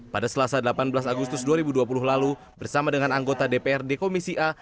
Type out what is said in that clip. pada selasa delapan belas agustus dua ribu dua puluh lalu bersama dengan anggota dprd komisi a